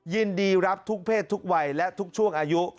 ยินดีรับทุกเพศทุกวัยและทุกช่วงอายุ